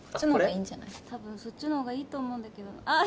多分そっちの方がいいと思うんだけどあっ